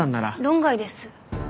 論外です。